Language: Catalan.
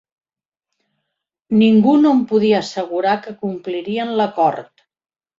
Ningú no em podia assegurar que complirien l'acord.